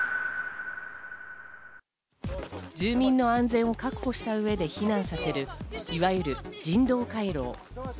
住民の安全を確保した上で避難させる、いわゆる人道回廊。